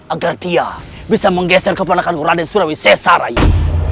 agar dia bisa menggeser keponakan raden surawi sesarai